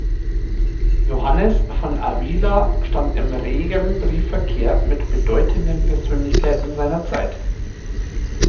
Johannes von Avila stand in regem Briefverkehr mit bedeutenden Persönlichkeiten seiner Zeit.